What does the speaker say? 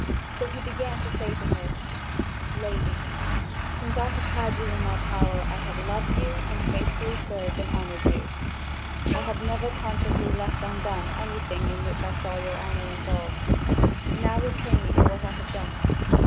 So he began to say to her: "Lady, since I have had you in my power, I have loved you and faithfully served and honoured you. I never consciously left anything undone in which I saw your honour involved; now repay me for what I have done.